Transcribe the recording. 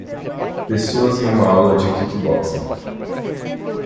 Pessoas em uma aula de kickboxing.